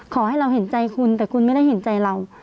ขอให้เราเห็นใจคุณแต่คุณไม่ได้เห็นใจเรา